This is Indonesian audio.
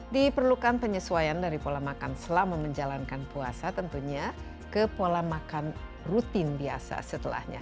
diperlukan penyesuaian dari pola makan selama menjalankan puasa tentunya ke pola makan rutin biasa setelahnya